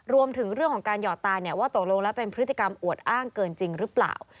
รวมถึงเรื่องของการหยอดตาว่าตกลงแล้วเป็นพฤติกรรมอวดอ้างเกินจริงหรือเปล่า